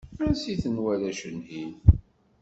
Ansi-ten warrac-ihin?